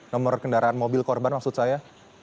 nomor kendaraan mobil korban maksud saya